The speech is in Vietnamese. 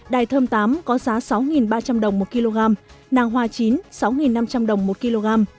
đài thơm tám có giá sáu ba trăm linh đồng một kg nàng hoa chín sáu năm trăm linh đồng một kg